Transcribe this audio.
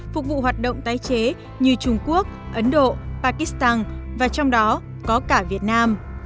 phục vụ hoạt động tái chế như trung quốc ấn độ pakistan và trong đó có cả việt nam